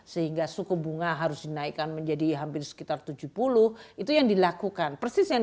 sehingga suku bunga harus dinaikkan menjadi hampir sekitar tujuh puluh itu yang dilakukan persis yang